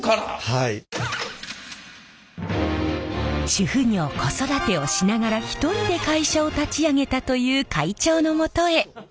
主婦業子育てをしながら一人で会社を立ち上げたという会長のもとへ。